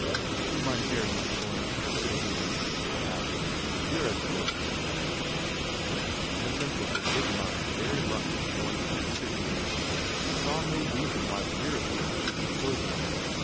' Do you mind very much going up to the sitting room ?' she asked. ' Vera's books ' Miss Entwhistle did mind very much going up to the sitting room, and saw no reason why Vera's books should be chosen.